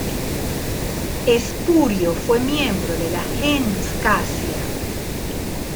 Espurio fue miembro de la "gens" Casia.